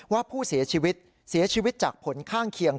ว่าผู้เสียชีวิตเสียชีวิตจากผลข้างเคียง